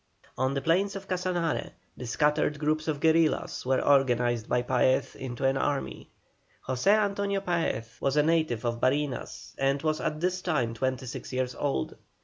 On the plains of Casanare the scattered groups of guerillas were organized by Paez into an army. José Antonio Paez was a native of Barinas, and was at this time twenty six years old.